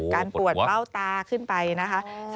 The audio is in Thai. ปวดเบ้าตาขึ้นไปนะคะ